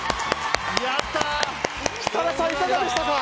設楽さん、いかがでしたか？